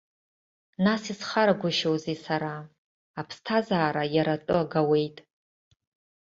Нас исхарагәышьоузеи сара, аԥсҭазаара иара атәы агауеит.